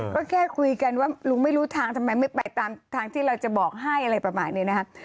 ก็แค่คุยกันว่าลุงไม่รู้ทางทำไมไม่ไปตามทางที่เราจะบอกให้อะไรประมาณนี้นะครับ